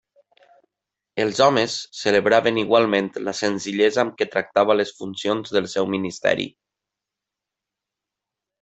Els homes celebraven igualment la senzillesa amb què tractava les funcions del seu ministeri.